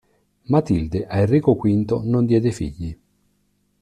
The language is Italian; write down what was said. Matilde a Enrico V non diede figli.